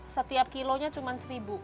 setiap kilonya cuma seribu